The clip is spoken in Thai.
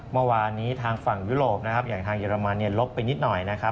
เมื่อวานทางฝั่งยุโรปอย่างทางเยอรมน์ลบไปนิดหน่อย